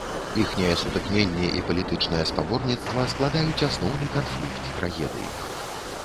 Іхняе сутыкненне і палітычнае спаборніцтва складаюць асноўны канфлікт трагедыі.